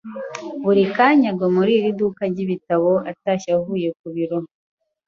Buri kanya agwa muri iri duka ryibitabo atashye avuye ku biro.